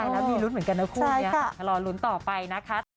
ใช่มีลุ้นเหมือนกันนะคู่นี้รอลุ้นต่อไปนะคะ